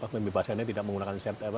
membebasannya tidak menggunakan sert apa